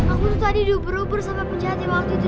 aku tuh tadi diuber uber sama penjahatnya waktu itu